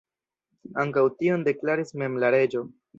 Ankaŭ tion deklaris mem la reĝo.